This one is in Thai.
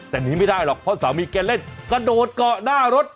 แต่หนีไม่ได้หรอกเพราะสามีแกเล่นกระโดดเกาะหน้ารถ